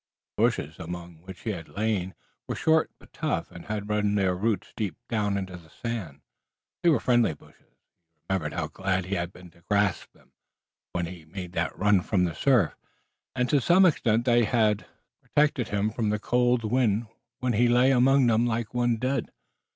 The bushes among which he had lain were short but tough, and had run their roots down deeply into the sand. They were friendly bushes. He remembered how glad he had been to grasp them when he made that run from the surf, and to some extent they had protected him from the cold wind when he lay among them like one dead.